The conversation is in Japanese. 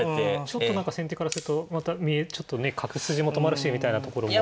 ちょっと何か先手からするとまたちょっとね角筋も止まるしみたいなところもあって。